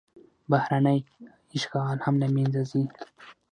بهرنی اشغال هم له منځه ځي.